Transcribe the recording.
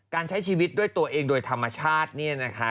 ใช้ชีวิตด้วยตัวเองโดยธรรมชาติเนี่ยนะคะ